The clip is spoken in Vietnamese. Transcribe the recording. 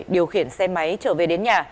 điều khiển xe máy trở về đến nhà